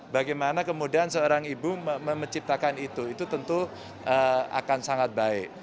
bagaimana kemudian seorang ibu menciptakan itu itu tentu akan sangat baik